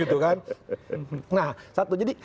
jadi kalau sekarang membandingkan peluang itu apa